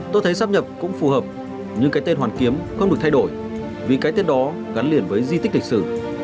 tôi thấy sắp nhập cũng phù hợp nhưng cái tên hoàn kiếm không được thay đổi vì cái tên đó gắn liền với di tích lịch sử